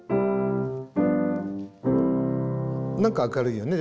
何か明るいよね。